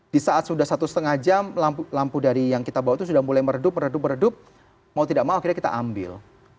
di saat sudah satu setengah jam lampu dari yang kita bawa itu sudah mulai meredup redup meredup mau tidak mau akhirnya kita ambil